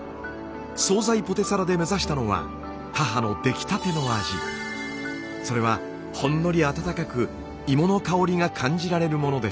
総菜ポテサラで目指したのは母のそれはほんのり温かくイモの香りが感じられるものでした。